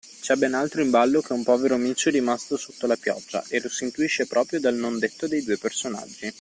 C’è ben altro in ballo che un povero micio rimasto sotto la pioggia e lo si intuisce proprio dal non-detto dei due personaggi.